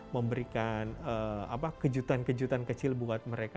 memberikan kejutan kejutan kecil buat mereka